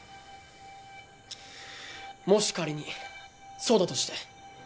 もし仮にそうだとして